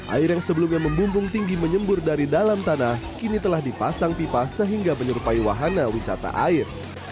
air yang sebelumnya membumbung tinggi menyembur dari dalam tanah kini telah dipasang pipa sehingga menyerupai wahana wisata air